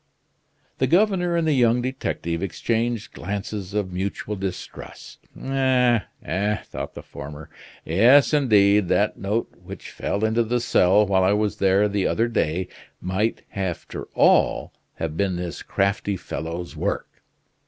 The governor and the young detective exchanged glances of mutual distrust. "Eh! eh!" thought the former, "yes, indeed, that note which fell into the cell while I was there the other day might after all have been this crafty fellow's work.